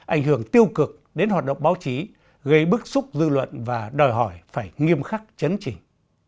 ảnh hưởng tiêu cực đến hoạt động báo chí gây bức xúc dư luận và đòi hỏi phải nghiêm khắc chấn trình